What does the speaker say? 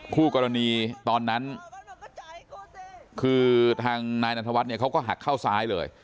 คู่กรณีตอนนั้นคือทางนายนันทวัฒน์เนี่ยเขาก็หักเข้าซ้ายเลย